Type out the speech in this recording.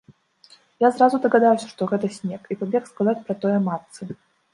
Я зразу дагадаўся, што гэта снег, і пабег сказаць пра тое матцы.